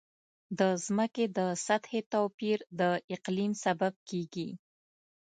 د ځمکې د سطحې توپیر د اقلیم سبب کېږي.